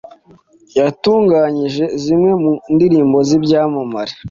yatunganyije zimwe mu ndirimbo z’ibyamamare